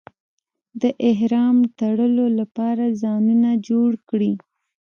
د احرام تړلو لپاره ځایونه جوړ کړي.